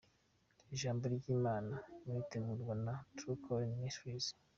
Ijambo ry’Imana muritegurirwa na True Calling Ministries.